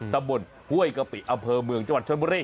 ตำบลห้วยกะปิอำเภอเมืองจังหวัดชนบุรี